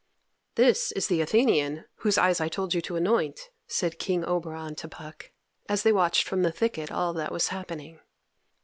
"This is the Athenian whose eyes I told you to anoint," said King Oberon to Puck, as they watched from the thicket all that was happening.